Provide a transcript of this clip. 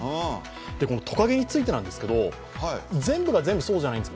トカゲについてなんですけど、全部が全部そうじゃないんです。